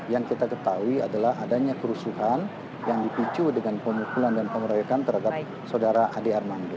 yang kita ketahui adalah adanya kerusuhan yang dipicu dengan pemukulan dan pengeroyokan terhadap saudara ade armando